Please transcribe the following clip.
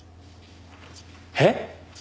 えっ！？